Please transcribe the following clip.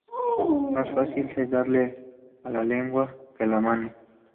Más fácil es darle a la lengua que a las manos